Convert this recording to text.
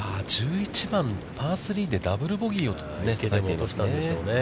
１１番、パー３でダブル・ボギーを。